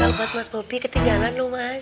ini bekal buat mas bobby ketinggalan loh mas